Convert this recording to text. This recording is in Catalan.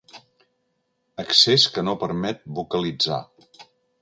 Accés que no permet vocalitzar.